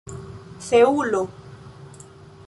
seulo